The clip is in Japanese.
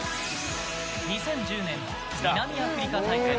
２０１０年、南アフリカ大会。